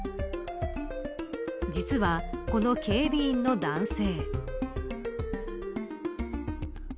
実はこの警備員の男性。